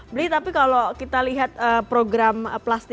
blih tapi kalau kita lihat program pelajaran